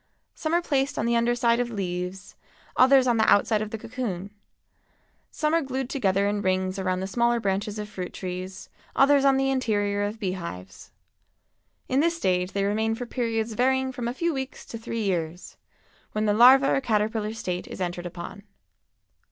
Some are placed on the under side of leaves, others on the outside of the cocoon; some are glued together in rings around the smaller branches of fruit trees, others on the interior of bee hives. In this stage they remain for periods varying from a few weeks to three years, when the larva or caterpillar state is entered upon.